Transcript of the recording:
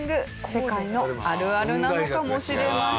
世界のあるあるなのかもしれません。